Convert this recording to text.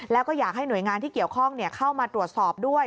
แล้วก็อยากให้หน่วยงานที่เกี่ยวข้องเข้ามาตรวจสอบด้วย